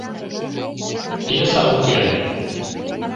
Пьеса уке.